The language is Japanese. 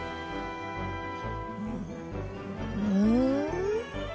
うん？